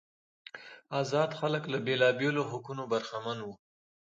آزاد خلک له بیلابیلو حقوقو برخمن وو.